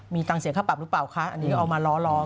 มีตังค์เสียค่าปรับหรือเปล่าคะอันนี้ก็เอามาล้อล้อม